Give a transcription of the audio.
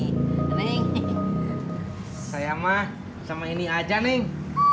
hehehe neng saya mah sama ini aja neng